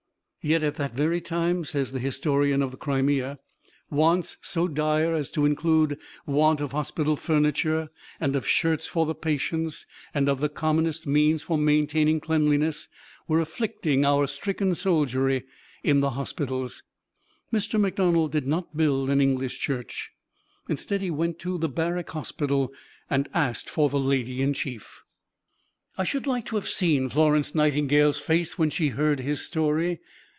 "Yet, at that very time," says the historian of the Crimea, "wants so dire as to include want of hospital furniture and of shirts for the patients, and of the commonest means for maintaining cleanliness, were afflicting our stricken soldiery in the hospitals." Mr. McDonald did not build an English church; instead, he went to the Barrack Hospital and asked for the Lady in Chief. I should like to have seen Florence Nightingale's face when she heard his story.